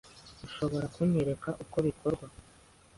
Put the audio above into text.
Ushobora kunyereka uko bikorwa?